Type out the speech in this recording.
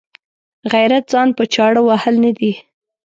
غیرت ځان په چاړه وهل نه دي.